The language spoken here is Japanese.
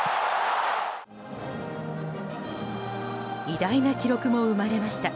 偉大な記録も生まれました。